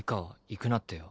行くなってよ。